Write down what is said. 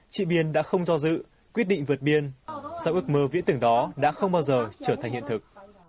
chị biên đã không do dự quyết định vượt biên sau ước mơ vẽ tưởng đó đã không bao giờ trở thành hiện thực